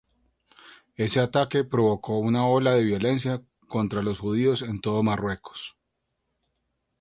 Ese ataque provocó una ola de violencia contra los judíos en todo Marruecos.